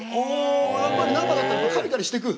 やっぱり生だったらカリカリしていく？